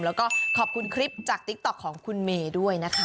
แล้วก็ขอบคุณคลิปจากติ๊กต๊อกของคุณเมย์ด้วยนะคะ